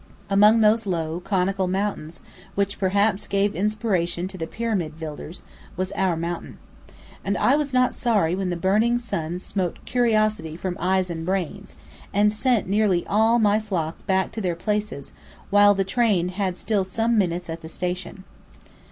Among those low, conical mountains which perhaps gave inspiration to the pyramid builders, was our mountain. And I was not sorry when the burning sun smote curiosity from eyes and brains, and sent nearly all my flock back to their places, while the train had still some minutes at the station.